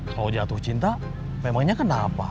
kalau jatuh cinta memangnya kenapa